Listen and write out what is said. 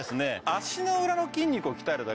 足の裏の筋肉を鍛えるだけだったら